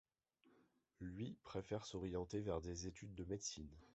Lui préfère s’orienter vers des études de médecine.